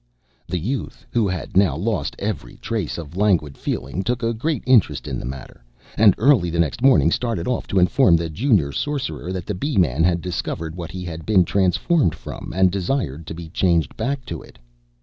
The Youth, who had now lost every trace of languid feeling, took a great interest in the matter, and early the next morning started off to inform the Junior Sorcerer that the Bee man had discovered what he had been transformed from, and desired to be changed back to it.